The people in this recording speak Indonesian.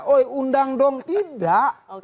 uundang dong tidak